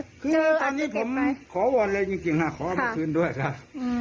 คืออันนี้ผมขอวอนเลยจริงขอเอามาคืนด้วยครับ